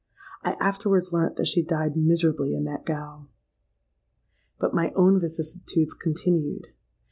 I afterwards learnt that she died miserably in that gaol. "But my own vicissitudes continued!